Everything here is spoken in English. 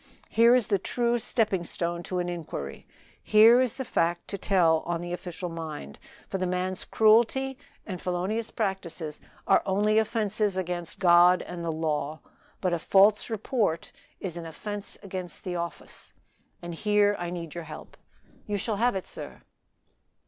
Here is the true stepping stone to an inquiry, here is the fact to tell on the official mind; for the man's cruelty and felonious practices are only offenses against God and the law; but a false report is an offense against the office. And here I need your help." "You shall have it, sir."